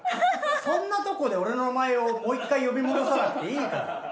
そんなとこで俺の名前をもう１回呼び戻さなくていいから。